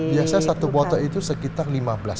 biasanya satu botol itu sekitar lima belas gram ya